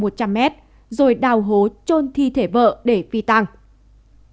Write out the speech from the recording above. rồi đào hố trôn thi thể vợ để phi tăng chí cũng thừa nhận đã dùng điện thoại của vợ nhắn tin để đánh lạc hướng gia đình nạn nhân